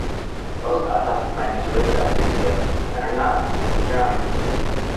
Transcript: Most autopsy findings relate to asphyxia and are not specific to drowning.